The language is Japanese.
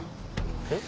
えっ？